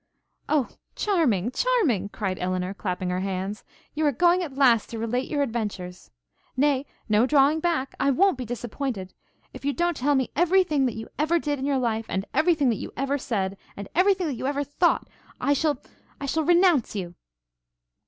'O charming! charming!' cried Elinor, clapping her hands, 'you are going, at last, to relate your adventures! Nay, no drawing back! I won't be disappointed! If you don't tell me every thing that ever you did in your life, and every thing that ever you said, and every thing that ever you thought, I shall renounce you!'